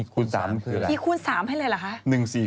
๑คูณ๓คืออะไร